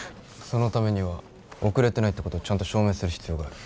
そのためには遅れてないってことをちゃんと証明する必要がある。